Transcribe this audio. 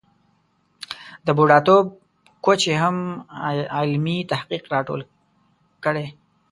د بوډاتوب کوچ یې هم علمي تحقیق را ټول کړی.